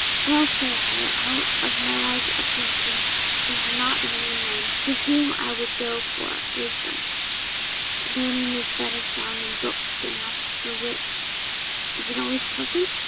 Well, say I, out of my large acquaintance, there are not many men to whom I would go for wisdom; learning is better found in books, and, as for wit, is it always pleasant?